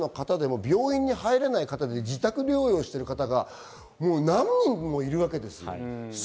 重症者の方でも病院に入れなくて自宅療養してる方が何人もいるわけです。